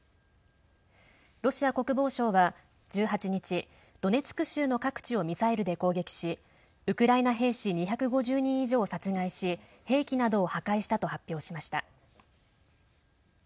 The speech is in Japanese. ロシア国防省は、１８日ドネツク州の各地をミサイルで攻撃しウクライナ兵士２５０人以上を殺害し兵器などを破壊したと発表しました。